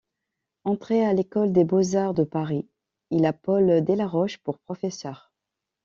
Entré à l'École des beaux-arts de Paris, il a Paul Delaroche pour professeur.